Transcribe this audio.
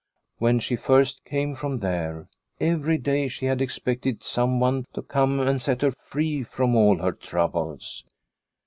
When she first came from there every day she had ex pected someone to come and set her free from all her troubles.